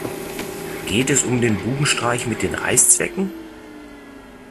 Geht es um den Bubenstreich mit den Reißzwecken?